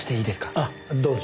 ああどうぞ。